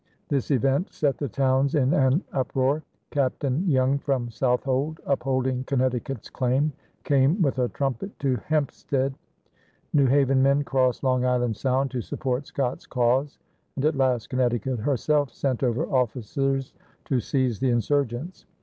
This event set the towns in an uproar; Captain Young from Southold, upholding Connecticut's claim, came "with a trumpet" to Hempstead; New Haven men crossed Long Island Sound to support Scott's cause; and at last Connecticut herself sent over officers to seize the insurgents.